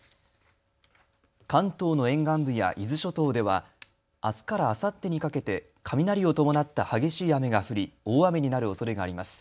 関東の沿岸部や伊豆諸島ではあすからあさってにかけて雷を伴った激しい雨が降り大雨になるおそれがあります。